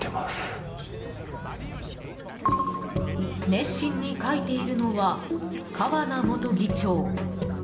熱心に書いているのは川名元議長。